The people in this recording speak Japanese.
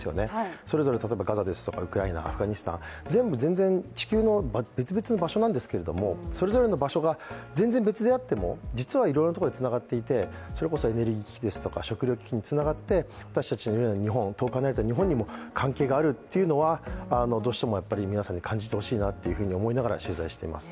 それぞれガザですとかウクライナ、アフガニスタン、全部全然地球の別々の場所なんですけれども、それぞれの場所が全然別であっても、実はいろいろなところでつながっていてそれこそエネルギー危機だとか食糧危機につながって私たちのような遠く離れた日本にも関係があるっていうのはどうしても感じてほしいなと思いながら取材しています。